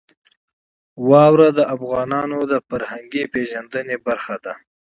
واوره د افغانانو د فرهنګي پیژندنې برخه ده.